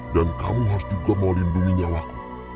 dan kamu harus juga melindungi nyawaku